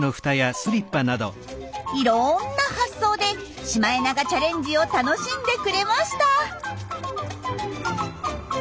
いろんな発想でシマエナガチャレンジを楽しんでくれました。